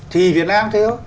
thì việt nam thế đó